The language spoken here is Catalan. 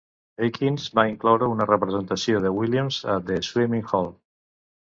Eakins va incloure una representació de Williams a "The Swimming Hole".